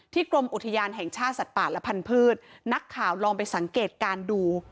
กรมอุทยานแห่งชาติสัตว์ป่าและพันธุ์นักข่าวลองไปสังเกตการณ์ดู